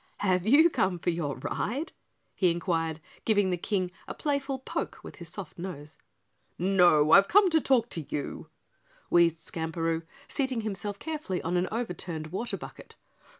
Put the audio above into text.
"Have you come for your ride?" he inquired, giving the King a playful poke with his soft nose. "No, I've come to talk to you," wheezed Skamperoo, seating himself carefully on an overturned water bucket.